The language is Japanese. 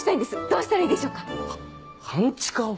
どうしたらいいでしょうか？は半地下を⁉